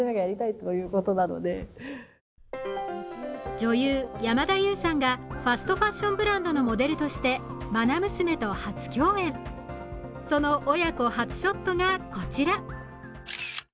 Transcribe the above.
女優、山田優さんがファストファッションブランドのモデルとしてまな娘と初共演、その親子初ショットがこちら。